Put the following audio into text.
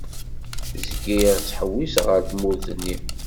Zgiɣ ttḥewwiseɣ ar tmurt-nni.